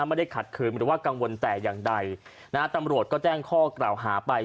ไม่ได้ขัดขืนหรือว่ากังวลแต่อย่างใดนะฮะตำรวจก็แจ้งข้อกล่าวหาไป